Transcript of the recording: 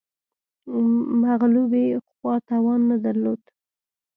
مغلوبې خوا توان نه درلود